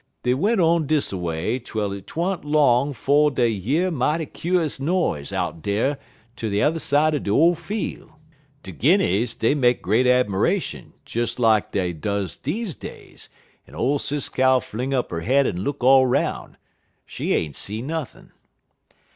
Dey went on dis a way twel 't wa'n't long 'fo' dey year mighty kuse noise out dar t'er side er de ole fiel'. De Guinnies, dey make great 'miration, des lak dey does deze days, en ole Sis Cow fling up 'er head en look all 'roun'. She ain't see nothin'.